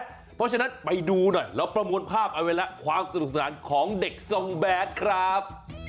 เพราะฉะนั้นไปดูหน่อยเราประมวลภาพเอาไว้แล้วความสนุกสนานของเด็กทรงแบดครับ